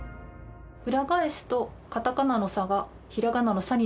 裏返すとカタカナの「サ」がひらがなの「さ」になるんです。